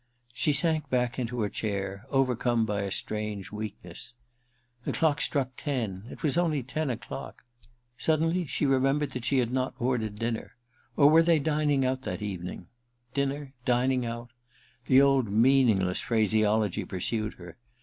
She sank back into her chair, overcome by a strange weakness. The clock struck ten — it was only ten o*clock 1 Suddenly she remembered that she had not ordered dinner ... or were they dining out that evening ? Dinner — dining out — the old meaningless phraseology pursued her